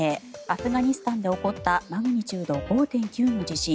アフガニスタンで起こったマグニチュード５．９の地震。